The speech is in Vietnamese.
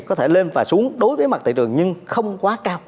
có thể lên và xuống đối với mặt thị trường nhưng không quá cao